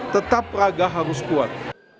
tetap raga harus kuat